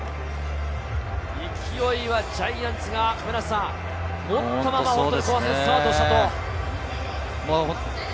勢いはジャイアンツが持ったまま後半戦スタートしたと。